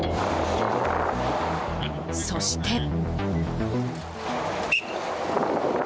そして。